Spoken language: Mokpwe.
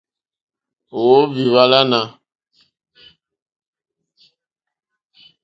À óhwì hwálánà.